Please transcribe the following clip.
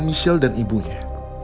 michelle dan ibunya